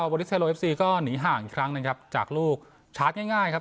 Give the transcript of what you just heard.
โบริสเทโรก็หนีห่างอีกครั้งนะครับจากลูกชาร์จง่ายง่ายครับ